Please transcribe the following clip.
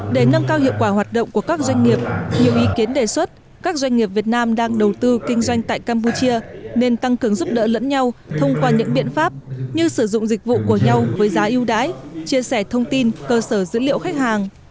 để nâng cao hiệu quả hoạt động của các doanh nghiệp nhiều ý kiến đề xuất các doanh nghiệp việt nam đang đầu tư kinh doanh tại campuchia nên tăng cường giúp đỡ lẫn nhau thông qua những biện pháp như sử dụng dịch vụ của nhau với giá yêu đáy chia sẻ thông tin cơ sở dữ liệu khách hàng